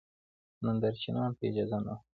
نندارچیانو ته اجازه نه وه.